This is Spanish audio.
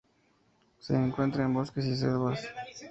Se encuentra en bosques y selvas.